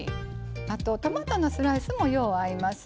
あとトマトのスライスもよう合います。